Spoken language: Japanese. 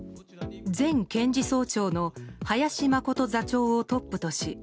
前検事総長の林眞琴座長をトップとし。